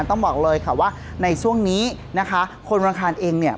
ต้องบอกเลยค่ะว่าในช่วงนี้นะคะคนวันอังคารเองเนี่ย